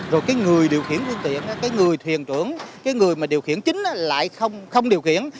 rồi cái người điều khiển phương tiện cái người thiền trưởng cái người mà điều khiển chính lại không điều khiển